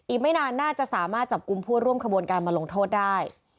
อีกไม่นานน่าจะสามารถจับกลุ่มผู้ร่วมขบวนการมาลงโทษได้